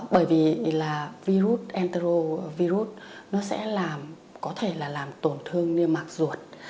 bởi vì là virus entero virus nó sẽ làm có thể là làm tổn thương niêm mạc ruột